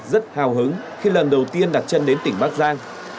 rất hào hứng khi lần đầu tiên đặt chân đến tỉnh bắc giang